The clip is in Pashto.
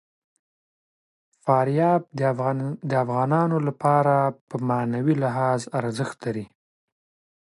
فاریاب د افغانانو لپاره په معنوي لحاظ ارزښت لري.